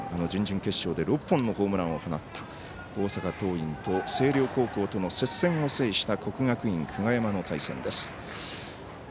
準々決勝で６本のホームランを放った大阪桐蔭と星稜高校との接戦を制した国学院久我山の対戦です。